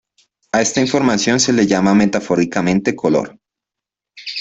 A esta información se le llama metafóricamente 'color'.